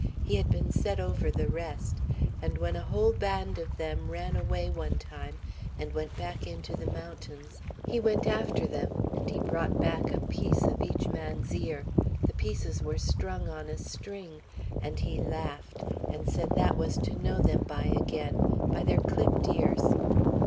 He had been set over the rest; and when a whole band of them ran away one time, and went back into the mountains, he went after them; and he brought back a piece of each man's ear; the pieces were strung on a string; and he laughed, and said that was to know them by again, by their clipped ears.